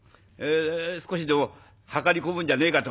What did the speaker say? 少しでも量り込むんじゃねえかと思って」。